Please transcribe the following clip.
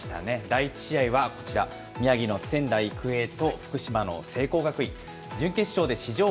第１試合はこちら、宮城の仙台育英と福島の聖光学院。